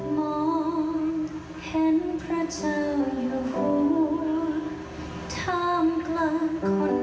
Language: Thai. แสนท้องส่องใจเตือนตันพิมพ์ในมอง